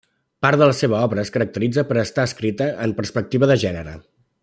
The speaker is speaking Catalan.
Part de la seva obra es caracteritza per estar escrita en perspectiva de gènere.